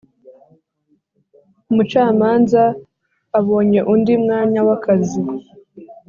umucamanza abonye undi mwanya w akazi